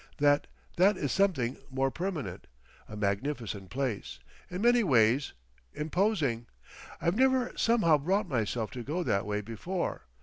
That—that is something more permanent. A magnificent place!—in many ways. Imposing. I've never somehow brought myself to go that way before.